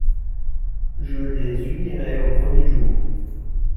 Je les unirai au premier jour.